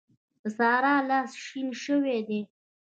د سارا لاس شين شوی دی.